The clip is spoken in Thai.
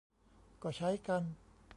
ก็ใช้กัน